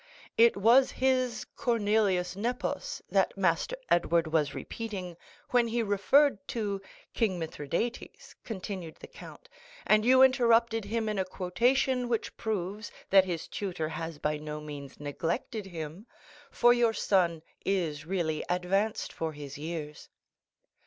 "It was his Cornelius Nepos that Master Edward was repeating when he referred to King Mithridates," continued the count, "and you interrupted him in a quotation which proves that his tutor has by no means neglected him, for your son is really advanced for his years."